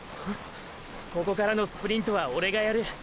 ここからのスプリントはオレがやる！